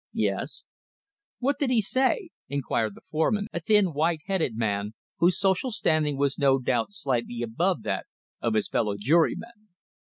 "Yes." "What did he say?" inquired the foreman, a thin, white headed man whose social standing was no doubt slightly above that of his fellow jurymen.